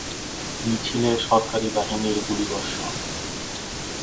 মিছিলে সরকারি বাহিনীর গুলিবর্ষণ।